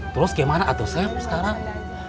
terus gimana atur sep sekarang